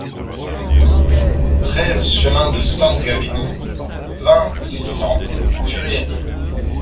treize chemin de San Gavinu, vingt, six cents, Furiani